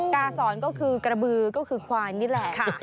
การสอนก็คือกระบือก็คือควายนี่แหละ